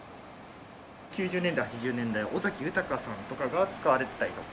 ９０年代８０年代尾崎豊さんとかが使われてたりとか。